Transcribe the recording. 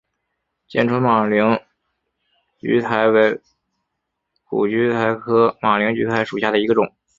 剑川马铃苣苔为苦苣苔科马铃苣苔属下的一个种。